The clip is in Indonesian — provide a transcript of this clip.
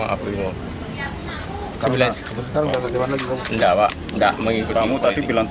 gepok sudah kamu lihat dulu itu